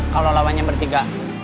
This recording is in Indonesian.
kalau lawannya bertiga